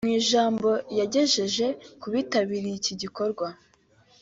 Mu ijambo yagejeje ku bitabiriye iki gikorwa